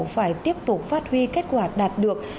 phải tiếp tục phát huy kết quả đạt được